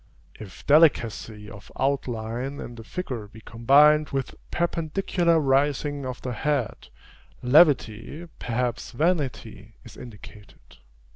If delicacy of outline in the figure, be combined with perpendicular rising of the head, levity, perhaps vanity, is indicated.